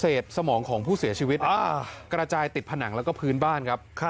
เซตสมองของผู้เสียชีวิตกระจายติดผนังและพื้นบ้าน